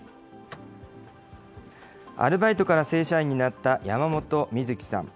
アルバイトから正社員になった山本瑞貴さん。